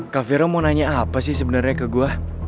cafero mau nanya apa sih sebenarnya ke gue